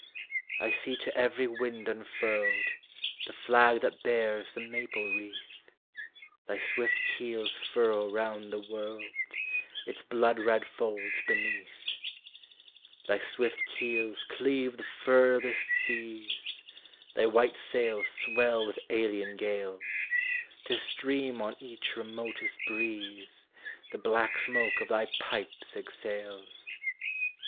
I see to every wind unfurledThe flag that bears the Maple Wreath; Thy swift keels furrow round the worldIts blood red folds beneath; Thy swift keels cleave the furthest seas; Thy white sails swell with alien gales; To stream on each remotest breezeThe black smoke of thy pipes exhales.